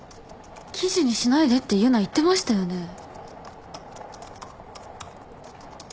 記事にしないでって結奈言ってましたよね？